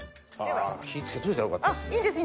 火付けといたらよかったですね。